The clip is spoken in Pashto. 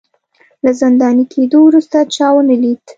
له زنداني کېدو وروسته چا ونه لید